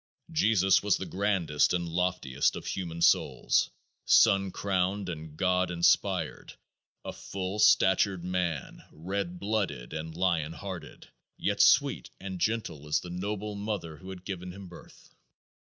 Jesus was the grandest and loftiest of human souls sun crowned and God inspired; a full statured man, red blooded and lion hearted, yet sweet and gentle as the noble mother who had given him birth.